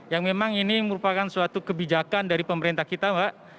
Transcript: yang memang ini merupakan suatu kebijakan dari pemerintah kita mbak